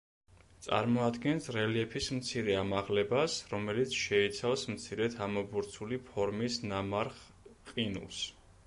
წარმოადგენს რელიეფის მცირე ამაღლებას, რომელიც შეიცავს მცირედ ამობურცული ფორმის ნამარხ ყინულს.